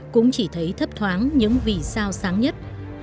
cũng chỉ thấy thấp thoáng những vì sao sáng nhất